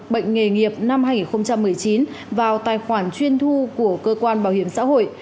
bệnh nghề nghiệp năm hai nghìn một mươi chín vào tài khoản chuyên thu của cơ quan bảo hiểm xã hội